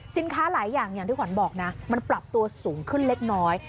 หลายอย่างอย่างที่ขวัญบอกนะมันปรับตัวสูงขึ้นเล็กน้อย